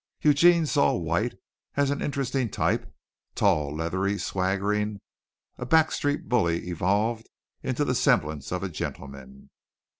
Eugene saw White as an interesting type tall, leathery, swaggering, a back street bully evolved into the semblance of a gentleman.